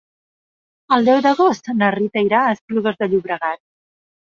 El deu d'agost na Rita irà a Esplugues de Llobregat.